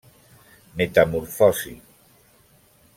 Metamorfosi.